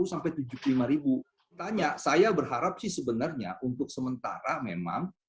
saya bertanya saya berharap sih sebenarnya untuk sementara memang